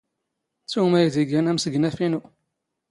ⵜⵓⵎ ⴰⵢⴷ ⵉⴳⴰⵏ ⴰⵎⵙⴳⵏⴰⴼ ⵉⵏⵓ.